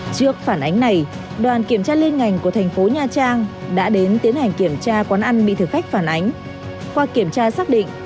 trước phản ánh này đoàn kiểm tra liên ngành của tp hcm đã đến tiến hành kiểm tra quán ăn bị thử khách phản ánh khoa kiểm tra xác định